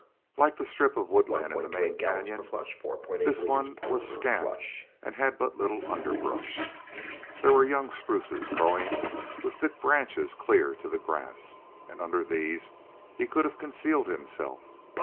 Like the strip of woodland in the main canyon, this one was scant and had but little underbrush. There were young spruces growing with thick branches clear to the grass, and under these he could have concealed himself.